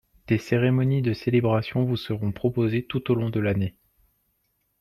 des cérémonies de célébration vous seront proposées tout au long de l'année.